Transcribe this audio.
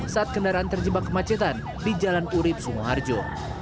saat kendaraan terjebak kemacetan di jalan urib sumoharjo